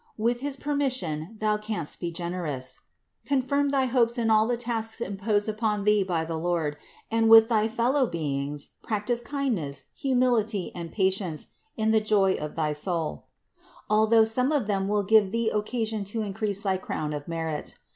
With his per mission thou canst be generous. Confirm thy hopes in all the tasks imposed upon thee by the Lord, and with THE INCARNATION 233 thy fellow beings practice kindness, humility and patience in the joy of thy soul, although some of them will give thee occasion to increase thy crown of merit.